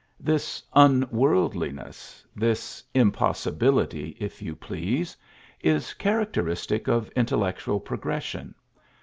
This unworldliness this impossibility, if you please is characteristic of intellectual progression.